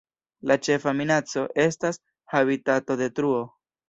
La ĉefa minaco estas habitatodetruo.